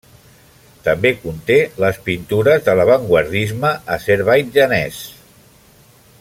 També conté les pintures de l'avantguardisme azerbaidjanès.